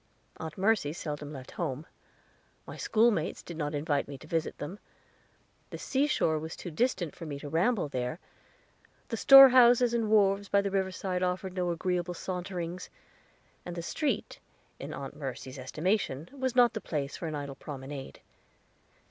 Aunt Mercy seldom left home; my schoolmates did not invite me to visit them; the seashore was too distant for me to ramble there; the storehouses and wharves by the river side offered no agreeable saunterings; and the street, in Aunt Mercy's estimation, was not the place for an idle promenade.